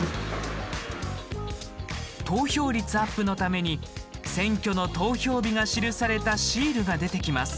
投票率アップのために選挙の投票日が記されたシールが出てきます。